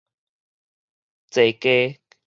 坐低